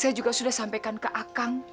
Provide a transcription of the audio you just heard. saya juga sudah sampaikan ke akang